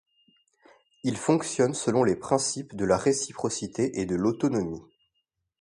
Il fonctionne selon les principes de la réciprocité et de l'autonomie.